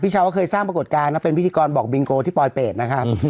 ชาวก็เคยสร้างปรากฏการณ์นะเป็นพิธีกรบอกบิงโกที่ปลอยเป็ดนะครับ